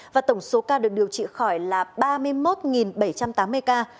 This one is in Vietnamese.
và tổng số ca được điều trị khỏi là ba mươi một bảy trăm tám mươi ca